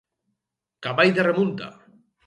Cavall de remunta.